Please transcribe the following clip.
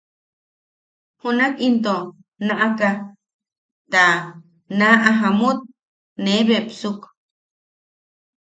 Junak into naʼaka, ta naaʼa jamut nee beksuk.